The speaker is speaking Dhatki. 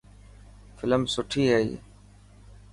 فلم سٺي هئي.